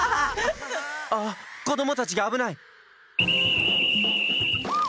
あっこどもたちがあぶない！